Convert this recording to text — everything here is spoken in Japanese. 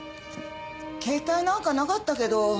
携帯なんかなかったけど。